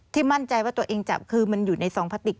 มั่นใจว่าตัวเองจับคือมันอยู่ในซองพลาติก